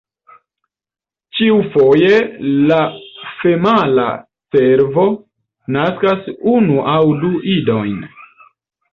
Ĉiufoje la femala cervo naskas unu aŭ du idojn.